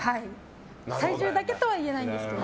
体重だけとは言えないんですけど。